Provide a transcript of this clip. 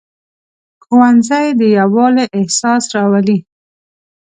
ښوونځی د یووالي احساس راولي